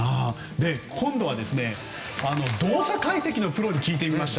今度は、動作解析のプロに聞いてみました。